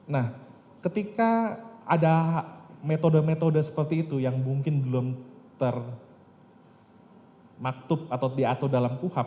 nah ketika ada metode metode seperti itu yang mungkin belum termaktub atau diatur dalam kuhap